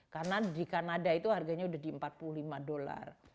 karena di kanada itu harganya sudah di empat puluh lima dolar